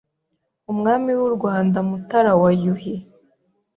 Umwami w' u Rwanda Mutara wa Yuhi